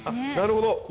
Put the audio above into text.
なるほど。